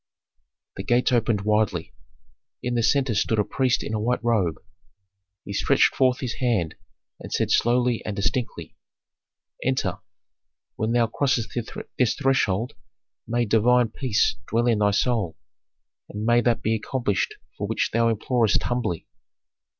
The gates opened widely. In the centre stood a priest in a white robe; he stretched forth his hand, and said slowly and distinctly, "Enter. When thou crossest this threshold, may divine peace dwell in thy soul, and may that be accomplished for which thou implorest humbly."